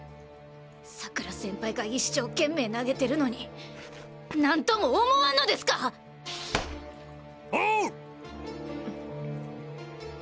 佐倉先輩が一生懸命投げてるのに何とも思わんのですか⁉ボール！